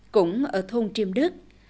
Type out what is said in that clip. cũng ở thôn triêm đức